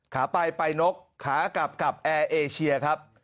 ขาไปไปนกขากลับกับแอร์เอเชียครับ